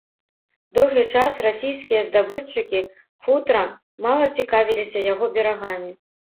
Доўгі час расійскія здабытчыкі футра мала цікавіліся яго берагамі.